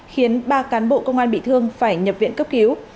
khiến ba cán bộ công an bị thương phải nhập viện cấp cứu